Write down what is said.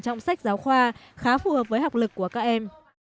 trong sách giáo khoa khá phù hợp với học lực của các em